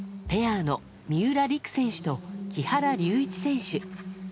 ペアの三浦璃来選手と木原龍一選手。